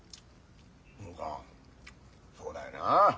そうかそうだよなあ。